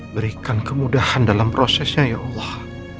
berikan kemudahan dalam prosesnya ya allah